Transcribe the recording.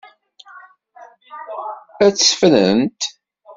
Ad tt-ffrent.